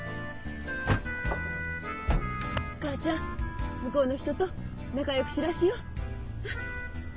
母ちゃん向こうの人と仲よくしらしよ。